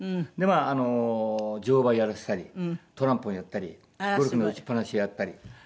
あの乗馬やらせたりトランポリンやったりゴルフの打ちっぱなしやったり。